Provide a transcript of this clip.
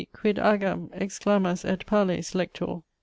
quid agam, exclamas et palles, Lector?